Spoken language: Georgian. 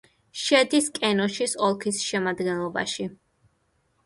შედის კენოშის ოლქის შემადგენლობაში.